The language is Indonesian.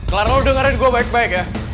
clara lu dengerin gue baik baik ya